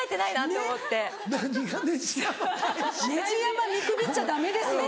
ネジ山見くびっちゃダメですよ